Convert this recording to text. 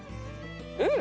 うん！